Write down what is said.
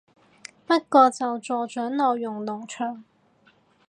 不過就助長內容農場